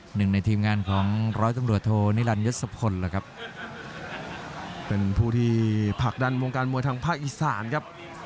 หนึ่งในทีมงานของร้อยตำรวจโทนิรันยศพลล่ะครับเป็นผู้ที่ผลักดันวงการมวยทางภาคอีสานครับ